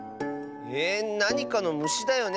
ええっなにかのむしだよね？